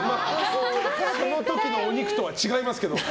その時のお肉とは違いますけど。